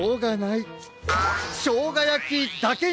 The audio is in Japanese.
しょうがやきだけに！